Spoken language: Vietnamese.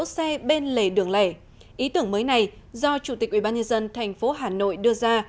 chủ trường mới này do chủ tịch ubnd tp hà nội đưa ra